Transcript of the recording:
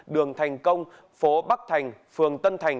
đường thành công phố bắc thành phường tân thành